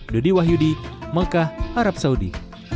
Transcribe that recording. dodi wahyudi mekah arab saudi